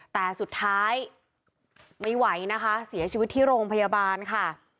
แต่สุดท้ายไม่ไหวนะคะเสียชีวิตที่โรงพยาบาลค่ะ